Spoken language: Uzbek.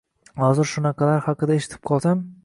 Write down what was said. hozir shunaqalari haqida eshitib qolsam